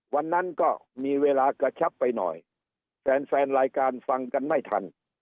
วันนั้นก็มีเวลากระชับไปหน่อยแฟนแฟนรายการฟังกันไม่ทัน